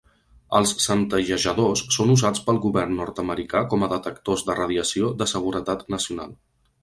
Els centellejadors són usats pel govern nord-americà com a detectors de radiació de Seguretat Nacional.